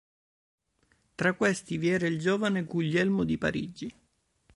Tra questi vi era il giovane Guglielmo di Parigi.